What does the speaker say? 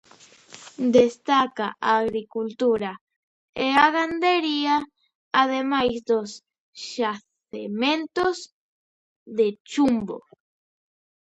Destaca a agricultura e a gandería, ademais dos xacementos de chumbo.